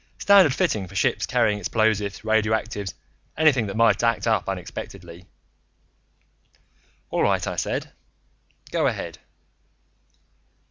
Standard fitting for ships carrying explosives, radioactives, anything that might act up unexpectedly." "All right," I said. "Go ahead."